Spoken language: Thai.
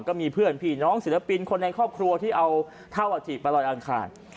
ก็มีเพื่อนพี่น้องศิลปินคนในครอบครัวที่เอาเท่าอาถิไปลอยอังคาร